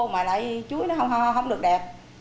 mà lại chuối nó không được đẹp